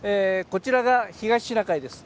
こちらが東シナ海です